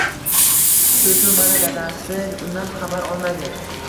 Shu-shu, mana, dadasi undan xabar olmaydi